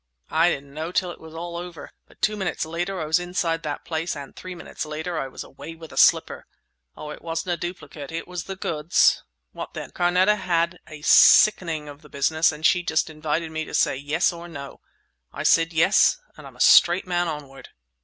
I didn't know till it was all over! But two minutes later I was inside that place—and three minutes later I was away with the slipper! Oh, it wasn't a duplicate; it was the goods! What then? Carneta had had a sickening of the business and she just invited me to say Yes or No. I said Yes; and I'm a straight man onward."